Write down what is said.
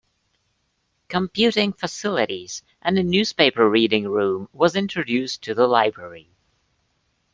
Computing facilities and a newspaper reading room was introduced to the library.